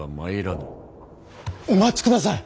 お待ちください。